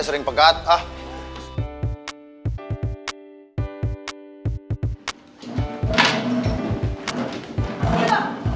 si kering sepuluh watt mas ya ya